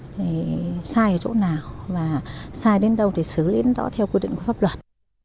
thì sai ở chỗ nào và sai đến đâu thì xử lý đến đó theo quy định của pháp luật